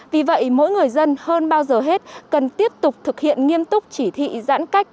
vì vậy mỗi người dân hơn bao giờ hết cần tiếp tục thực hiện nghiêm túc chỉ thị giãn cách